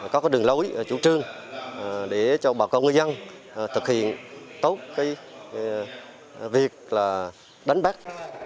có đường lối chủ trương để cho báo cáo ngư dân thực hiện tốt việc đánh bắt